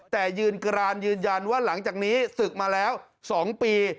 แต่ยืนกรานยืนยันว่าหลังจากนี้ศึกมาแล้ว๒ปี